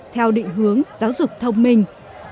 theo định hướng giáo dục thông minh